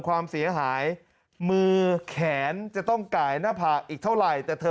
ความเสียหายมือแขนจะต้องกายหน้าผากอีกเท่าไหร่แต่เธอ